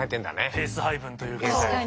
ペース配分というか。